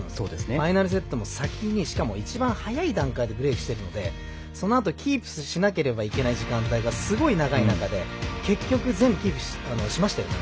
ファイナルセットの先に一番早い段階でブレークしているのでそのあと、キープしなければいけない時間帯がすごい長い中で結局、全部キープしましたよね。